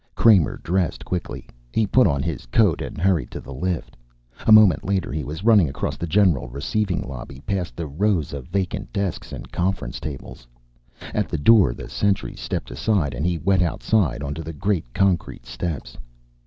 Kramer dressed quickly. He put on his coat and hurried to the lift. A moment later he was running across the general receiving lobby, past the rows of vacant desks and conference tables. At the door the sentries stepped aside and he went outside, onto the great concrete steps.